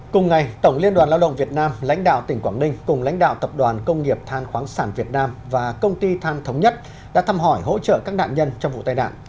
cùng ngày tổng liên đoàn lao động việt nam lãnh đạo tỉnh quảng ninh cùng lãnh đạo tập đoàn công nghiệp than khoáng sản việt nam và công ty than thống nhất đã thăm hỏi hỗ trợ các nạn nhân trong vụ tai nạn